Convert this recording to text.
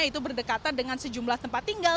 yaitu berdekatan dengan sejumlah tempat tinggal